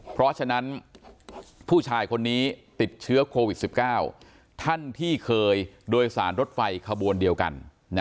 เพราะฉะนั้นผู้ชายคนนี้ติดเชื้อโควิด๑๙ท่านที่เคยโดยสารรถไฟขบวนเดียวกัน